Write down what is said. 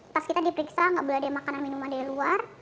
pas kita diperiksa nggak boleh ada makanan minuman dari luar